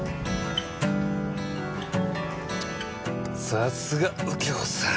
さっすが右京さん。